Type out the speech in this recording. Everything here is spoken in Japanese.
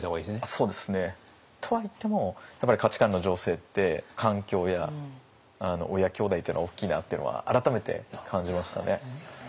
そうですね。とは言ってもやっぱり価値観の醸成って環境や親兄弟っていうのは大きいなっていうのは改めて感じましたね。